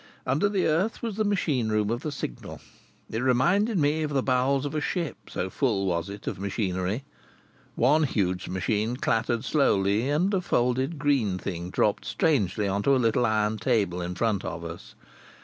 Under the earth was the machine room of the Signal. It reminded me of the bowels of a ship, so full was it of machinery. One huge machine clattered slowly, and a folded green thing dropped strangely on to a little iron table in front of us.